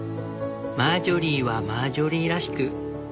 「マージョリーはマージョリーらしく」